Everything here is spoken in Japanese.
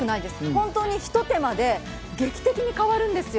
本当にひと手間で劇的に変わるんですよ。